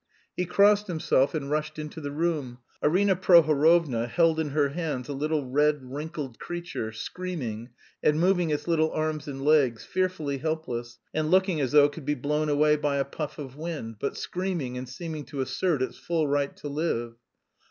He crossed himself and rushed into the room. Arina Prohorovna held in her hands a little red wrinkled creature, screaming, and moving its little arms and legs, fearfully helpless, and looking as though it could be blown away by a puff of wind, but screaming and seeming to assert its full right to live.